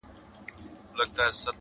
د نیکه ږغ٫